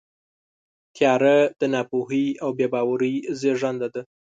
تیاره د ناپوهۍ او بېباورۍ زېږنده ده.